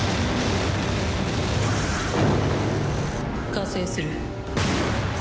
加勢する。